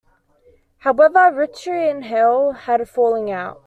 However, Ritchey and Hale had a falling out.